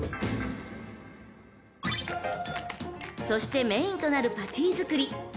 ［そしてメインとなるパティ作り］